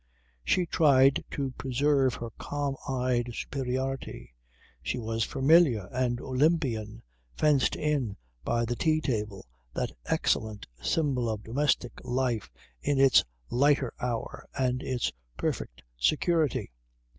She tried to preserve her calm eyed superiority. She was familiar and olympian, fenced in by the tea table, that excellent symbol of domestic life in its lighter hour and its perfect security.